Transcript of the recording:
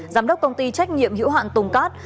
giám đốc công ty trách nhiệm hữu hạn tùng cát